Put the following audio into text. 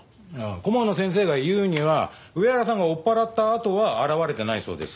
顧問の先生が言うには上原さんが追っ払ったあとは現れてないそうです。